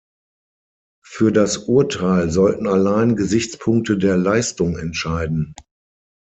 Für das Urteil sollten allein Gesichtspunkte der Leistung entscheiden.